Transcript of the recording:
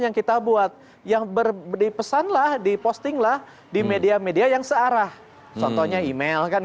yang kita buat yang berbeda pesanlah diposting lah di media media yang searah contohnya email kan